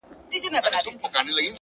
هوښیار انسان له تجربې خزانه جوړوي!.